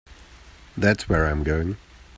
That's where I'm going.